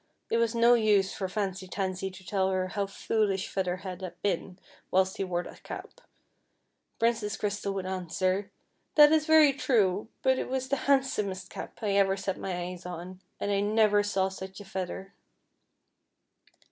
It was no use for Fancy Tansy to tell her hovi^ foolish Feather Head had been whilst he wore that cap, Princess Crystal would answer :" That is very true, but it was the hand somest cap I ever set my eyes on, and I never saw such a feather."